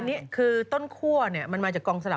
อันนี้คือต้นคั่วมันมาจากกองสลัก